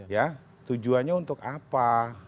ya tujuannya untuk apa